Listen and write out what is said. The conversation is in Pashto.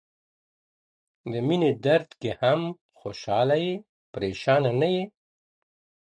• د ميني درد کي هم خوشحاله يې، پرېشانه نه يې،